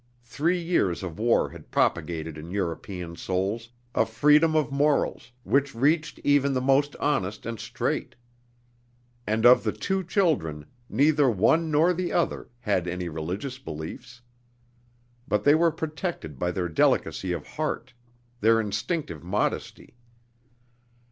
Three years of war had propagated in European souls a freedom of morals which reached even the most honest and straight. And of the two children, neither one nor the other, had any religious beliefs. But they were protected by their delicacy of heart, their instinctive modesty.